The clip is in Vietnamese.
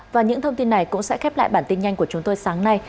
và những thông tin này cũng sẽ khép lại bản tin nhanh của chúng tôi sáng nay